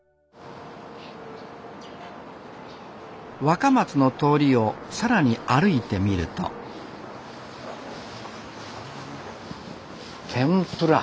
若松の通りを更に歩いてみると「天ぷら」。